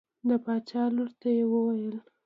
د باچا لور ته یې وویل.